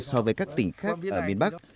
so với các tỉnh khác ở miền bắc